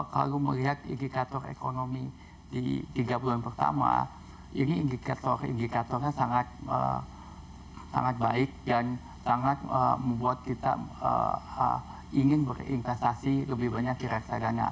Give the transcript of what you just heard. kalau melihat indikator ekonomi di tiga bulan pertama ini indikator indikatornya sangat baik dan sangat membuat kita ingin berinvestasi lebih banyak di reksadana